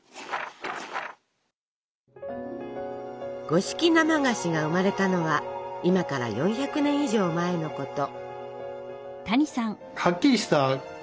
五色生菓子が生まれたのは今から４００年以上前のこと。